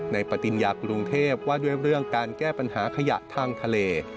ปฏิญญากรุงเทพว่าด้วยเรื่องการแก้ปัญหาขยะทางทะเล